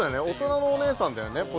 大人のお姉さんだよね